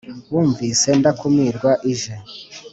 wumvise ndakumirwa ije